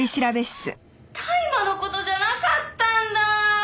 「大麻の事じゃなかったんだ」